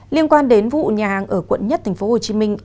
liên quan đến vụ nhà hàng ở quận một tp hồ chí minh